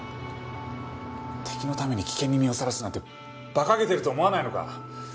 敵のために危険に身をさらすなんて馬鹿げてると思わないのか？